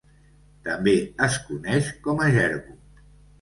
També es coneix com a jerbu.